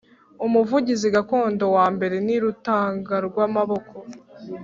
umuvuzi gakondo wa mbere ni rutangarwamaboko